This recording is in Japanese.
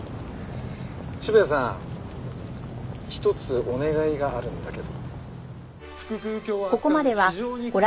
渋谷さん１つお願いがあるんだけど。